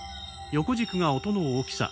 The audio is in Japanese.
横軸が音の大きさ。